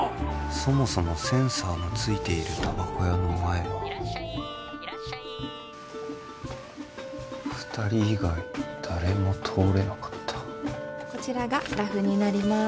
そもそもセンサーのついているタバコ屋の前はいらっしゃいいらっしゃい二人以外誰も通れなかったこちらがラフになります